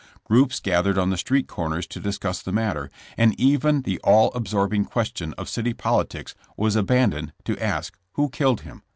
Groups gathered on the street corners to discuss the matter, and even the all absorbing question of city politics was abandoned to ask *'who killed him?"